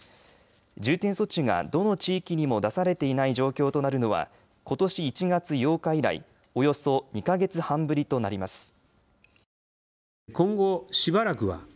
重点措置が、どの地域にも出されていない状況となるのは今年１月８日以来およそ２か月半ぶりとなります。